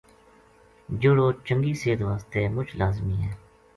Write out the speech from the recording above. جہڑو چنگی صحت واسطے مُچ لازمی ہے۔